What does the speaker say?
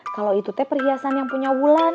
kalau itu teh perhiasan yang punya wulan